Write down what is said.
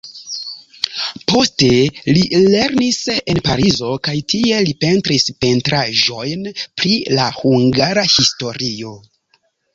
Poste li lernis en Parizo kaj tie li pentris pentraĵojn pri la hungara historio.